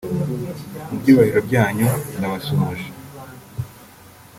mu byubahiro byanyu ndabasuhuje